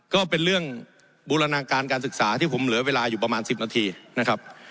ก็เป็นเรื่องบูรณาการการศึกษาที่ผมเหลือเวลาอยู่ประมาณ๑๐นาทีนะครับ